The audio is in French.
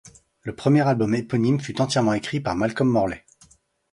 Le premier album éponyme fut entièrement écrit par Malcolm Morley.